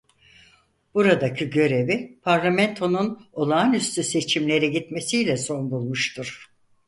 Buradaki görevi parlamentonun olağanüstü seçimlere gitmesiyle son bulmuştur.